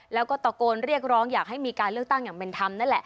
แล้วก็ตะโกนเรียกร้องอยากให้มีการเลือกตั้งอย่างเป็นธรรมนั่นแหละ